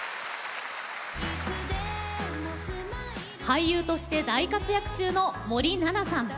俳優として大活躍中の森七菜さん。